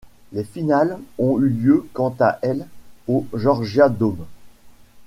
Les finales ont eu lieu quant à elles au Georgia Dome.